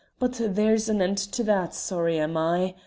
But there's an end o' that, sorry am I.